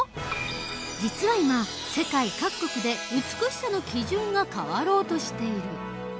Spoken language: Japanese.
実は今世界各国で美しさの基準が変わろうとしている。